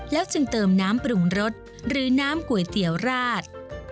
จึงเติมน้ำปรุงรสหรือน้ำก๋วยเตี๋ยวราด